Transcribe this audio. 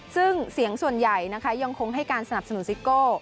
ซึ่งเสียงส่วนใหญ่นะคะยังคงให้การสนับสนุนซิโก้